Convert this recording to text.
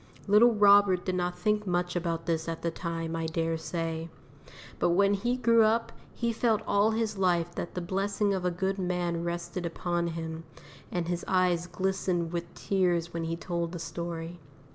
Little Robert did not think much about this at the time, I dare say, but when he grew up, he felt all his life that the blessing of a good man rested upon him, and his eyes glistened with tears when he told the story.